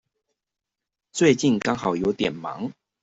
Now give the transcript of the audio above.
最近剛好有點忙